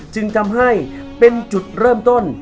จึงทำให้เป็นจุดเริ่มต้น